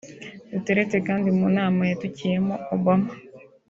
Duterte kandi mu nama yatukiyemo Obama